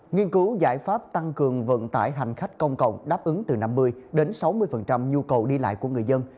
nghiên cứu giải pháp tăng cường vận tải hành khách công cộng đáp ứng từ năm mươi đến sáu mươi nhu cầu đi lại của người dân